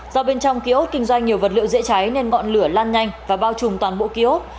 do bên trong ký ốt kinh doanh nhiều vật liệu dễ cháy nên ngọn lửa lan nhanh và bao trùm toàn bộ ký ốt